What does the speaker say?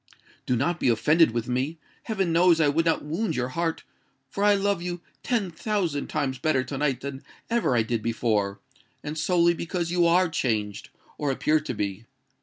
Do not be offended with me:—heaven knows I would not wound your heart; for I love you ten thousand times better to night than ever I did before—and solely because you are changed, or appear to be.